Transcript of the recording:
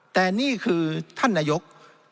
แต่นี่คือท่านนายก